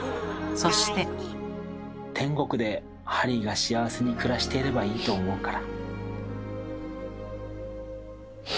「天国でハリーが幸せに暮らしていればいいと思うから」。